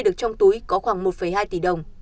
được trong túi có khoảng một hai tỷ đồng